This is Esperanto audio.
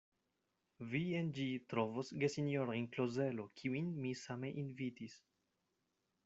Vi en ĝi trovos gesinjorojn Klozelo, kiujn mi same invitis.